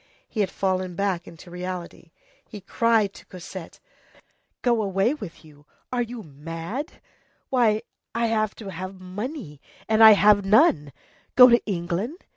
He had fallen back into reality. He cried to Cosette:— "Go away with you! Are you mad? Why, I should have to have money, and I have none! Go to England?